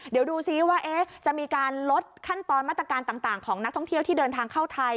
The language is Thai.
เดี๋ยวดูซิว่าจะมีการลดขั้นตอนมาตรการต่างของนักท่องเที่ยวที่เดินทางเข้าไทย